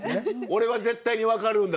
俺は絶対に分かるんだ。